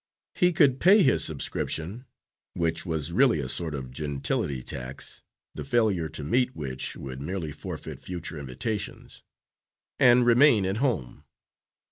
He could pay his subscription, which was really a sort of gentility tax, the failure to meet which would merely forfeit future invitations, and remain at home.